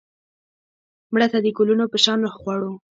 مړه ته د ګلونو په شان روح غواړو